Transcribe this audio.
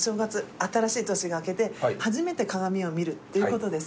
新しい年が明けて初めて鏡を見るっていうことです。